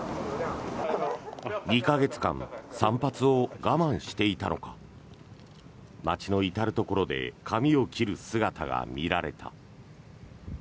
２か月間散髪を我慢していたのか街の至るところで髪を切る姿が見られた。